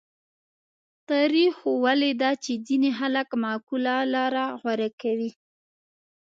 تاریخ ښوولې ده چې ځینې خلک معقوله لاره غوره کوي.